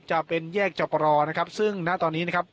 จะเป็นแยกเจ้าประรอนะครับซึ่งหน้าตอนนี้นะครับ